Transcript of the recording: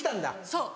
そう。